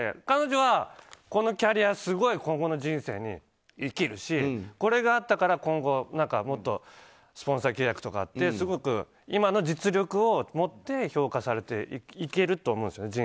彼女の、このキャリアはすごい今後の人生に生きるしこれがあったから今後、もっとスポンサー契約とかってすごく今の実力を持って評価されていけると思うんですね。